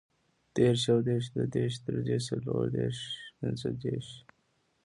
دېرش, یودېرش, دودېرش, دریدېرش, څلوردېرش, پنځهدېرش